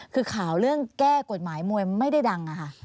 คือข่าวเรื่องแก้กฎหมายมวยไม่ได้ดังอะค่ะ